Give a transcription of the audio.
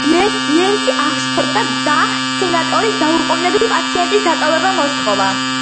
ნენსი აღშფოთდა და სენატორს დაუყოვნებლივ პაციენტის დატოვება მოსთხოვა.